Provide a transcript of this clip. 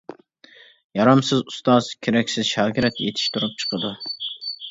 يارامسىز ئۇستاز كېرەكسىز شاگىرت يېتىشتۈرۈپ چىقىدۇ.